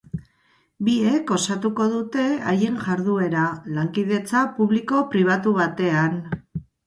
Biek osatuko dute haien jarduera, lankidetza publiko-pribatu batean.